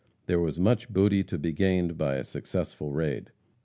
There was much booty to be gained by a successful raid.